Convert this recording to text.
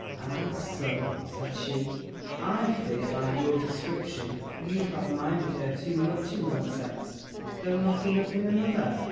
"'Ah, son!' said she, 'I fear, by your description, you have minded her too much in one sense, though not enough in another.